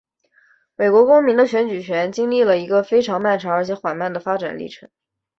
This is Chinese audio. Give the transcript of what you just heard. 美国公民的选举权经历了一个非常漫长而且缓慢的发展历程。